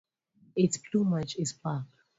Its plumage is black.